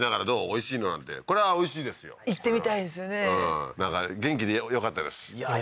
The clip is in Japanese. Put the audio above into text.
おいしいの？なんてこれはおいしいですよ行ってみたいですよねなんか元気でよかったですいやー